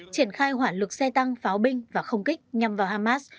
triển khai hỏa lực xe tăng pháo binh và không kích nhằm vào hamas